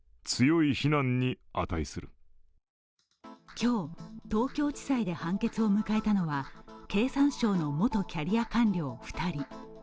今日、東京地裁で判決を迎えたのは経産省の元キャリア官僚２人。